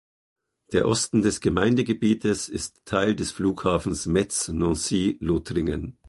Der Osten des Gemeindegebietes ist Teil des Flughafens Metz-Nancy-Lothringen.